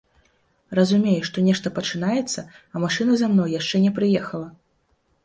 Разумею, што нешта пачынаецца, а машына за мной яшчэ не прыехала.